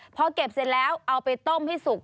พอเก็บเสร็จแล้วเอาไปต้มให้สุก